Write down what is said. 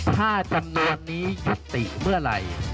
ถ้าจำนวนนี้ยุติเมื่อไหร่